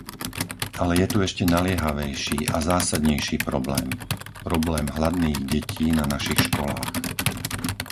Ale je tu ešte naliehavejší a zásadnejší problém - problém hladných detí na našich školách.